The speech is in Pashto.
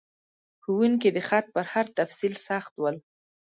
ښوونکي د خط په هر تفصیل سخت ول.